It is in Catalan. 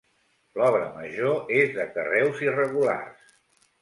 L'obra major és de carreus irregulars.